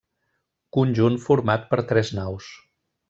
Conjunt format per tres naus.